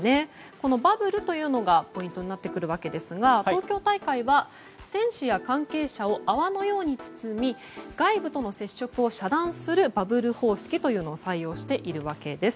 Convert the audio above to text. このバブルというのがポイントになってくる訳ですが東京大会は、選手や関係者を泡のように包み外部との接触を遮断するバブル方式というのを採用しているわけです。